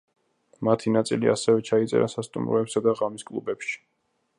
მათი ნაწილი ასევე ჩაიწერა სასტუმროებსა და ღამის კლუბებში.